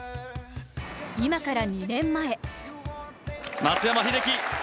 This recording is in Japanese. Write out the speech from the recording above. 今から２年前。